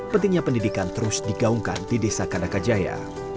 pentingnya pendidikan terus digaungkan di desa kandakajaya